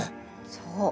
そう。